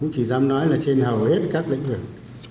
chỉ dám nói là trên hầu hết các lĩnh vực